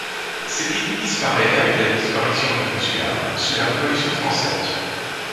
Cet édit disparait avec la disparition du consulat, sous la Révolution Française.